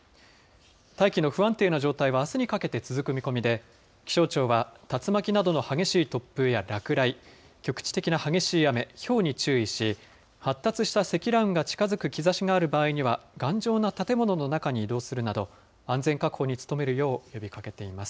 大気の不安定な状態はあすにかけて続く見込みで、気象庁は、竜巻などの激しい突風や落雷、局地的な激しい雨、ひょうに注意し、発達した積乱雲が近づく兆しがある場合には、頑丈な建物の中に移動するなど、安全確保に努めるよう呼びかけています。